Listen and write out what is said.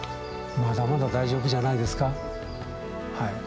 まだまだ大丈夫じゃないですか。